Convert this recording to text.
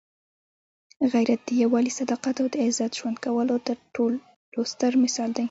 غیرت د یووالي، صداقت او د عزت ژوند کولو تر ټولو ستر مثال دی.